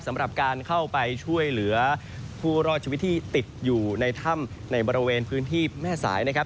สำหรับการเข้าไปช่วยเหลือผู้รอดชีวิตที่ติดอยู่ในถ้ำในบริเวณพื้นที่แม่สายนะครับ